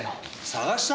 捜した？